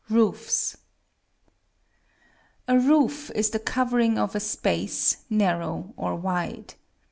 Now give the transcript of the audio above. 2. Roofs. A roof is the covering of a space, narrow or wide.